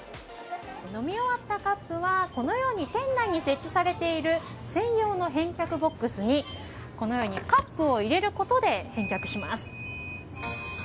飲み終わったカップはこのように店内に設置されている専用の返却ボックスにカップを入れることで返却します。